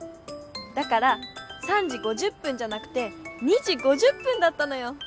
だから３じ５０ぷんじゃなくて２じ５０ぷんだったのよ。